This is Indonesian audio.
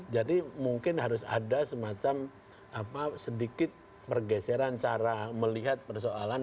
jadi mungkin harus ada semacam sedikit pergeseran cara melihat persoalan